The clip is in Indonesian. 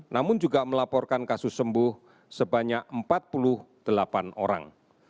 namun juga melaporkan kasus sembuh sebanyak empat puluh delapan orang